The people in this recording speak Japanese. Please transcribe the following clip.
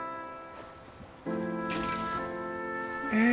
え！